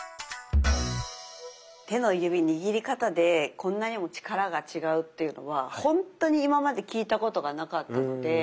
手の指握り方でこんなにも力が違うっていうのはほんとに今まで聞いたことがなかったので。